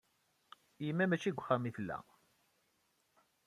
Yemma mačči deg uxxam i tella.